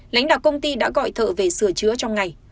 lãnh đạo công ty đã gọi thợ về sửa chữa trong ngày